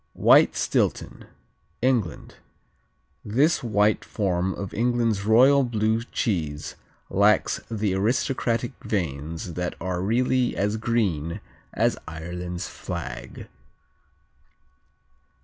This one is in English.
White Stilton England This white form of England's royal blue cheese lacks the aristocratic veins that are really as green as Ireland's flag.